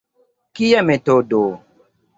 Kia metodo!